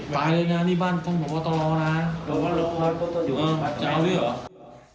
ไปเลยนะนี่บ้านพบตรนะจะเอาด้วยเหรอ